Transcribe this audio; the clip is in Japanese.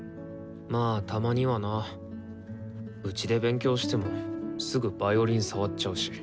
まあたまにはな。うちで勉強してもすぐヴァイオリン触っちゃうし。